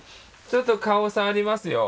ちょっと顔を触りますよ。